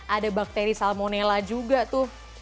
ada bakteri salmonella juga tuh